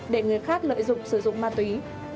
để người khác lợi dụng sử dụng ma túy